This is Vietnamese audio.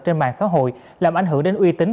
trên mạng xã hội làm ảnh hưởng đến uy tín